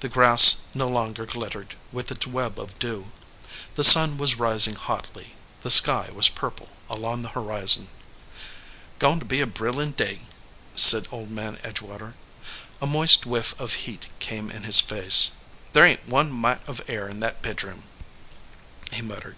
The grass no longer glittered with its web of dew. The sun was rising hotly, the sky was pur ple along the horizon. "Goin to be a br ilin day," said Old Man Edge water. A moist whiff of heat came in his face. "There ain t one mite of air in that bedroom," he muttered.